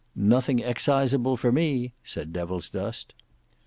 "Nothing exciseable for me," said Devilsdust.